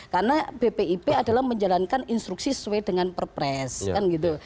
karena bpip adalah menjalankan instruksi sesuai dengan perpres kan gitu